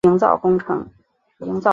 营造工程